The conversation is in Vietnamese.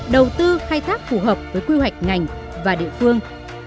đầu tư khai thác phù hợp với quy hoạch ngành và địa phương